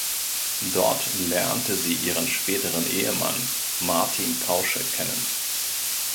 Dort lernte sie ihren späteren Ehemann Martin Kausche kennen.